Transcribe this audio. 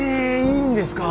いいんですか？